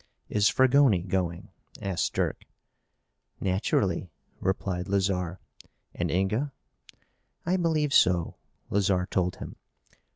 "Is Fragoni going?" asked Dirk. "Naturally," replied Lazarre. "And Inga?" "I believe so," Lazarre told him.